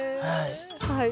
はい。